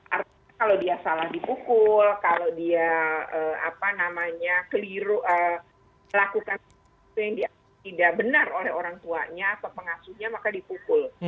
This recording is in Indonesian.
artinya kalau dia salah dipukul kalau dia keliru melakukan sesuatu yang tidak benar oleh orang tuanya atau pengasuhnya maka dipukul